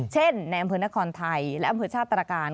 ในอำเภอนครไทยและอำเภอชาติตรการ